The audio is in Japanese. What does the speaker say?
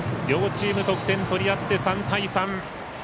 両チーム得点取り合って３対３。